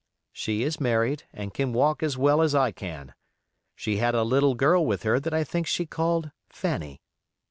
She is married, and can walk as well as I can. She had a little girl with her that I think she called "Fanny".